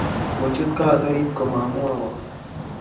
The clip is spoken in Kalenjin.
kochut koot orit komamoiwon.